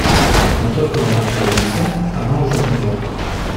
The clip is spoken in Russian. Но только что он начал объяснять, она уже поняла.